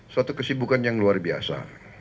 suatu kesibukan yang luar biasa